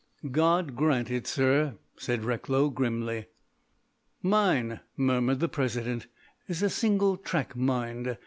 "God grant it, sir," said Recklow grimly. "Mine," murmured the President, "is a single track mind.